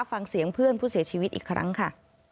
ฟังเสียงเพื่อนผู้เสียชีวิตอีกครั้งค่ะ